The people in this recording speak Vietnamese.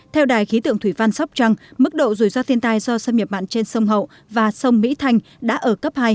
theo đài khí tượng thủy văn sóc trăng mức độ rủi ro thiên tai do xâm nhập mặn trên sông hậu và sông mỹ thanh đã ở cấp hai